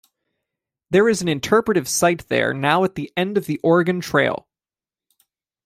There is an interpretive site there now at The End of The Oregon Trail.